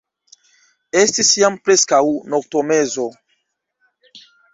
Estis jam preskaŭ noktomezo.